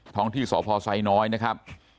ท้องที่สพไซน้อยนะครับ